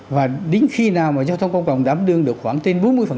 và đến khi nào mà giao thông công cộng đảm đương được khoảng trên bốn mươi